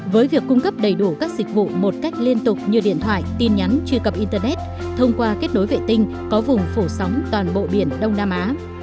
với việc cung cấp đầy đủ các dịch vụ một cách liên tục như điện thoại tin nhắn truy cập internet thông qua kết nối vệ tinh có vùng phổ sóng toàn bộ biển đông nam á